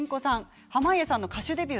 濱家さんの歌手デビュー